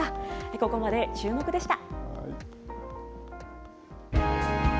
ここまでチューモク！でした。